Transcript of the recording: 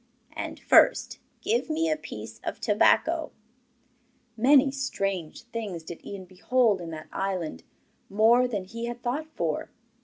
And, first, give me a piece of tobacco.' Many strange things did Ian behold in that island, more than he had thought for.